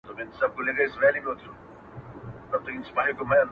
چي پر ټولو پاچهي کوي یو خدای دئ،